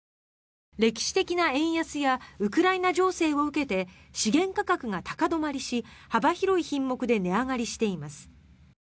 歴史的な円安やウクライナ情勢を受けて資源価格が高止まりし幅広い品目で値上がりしています。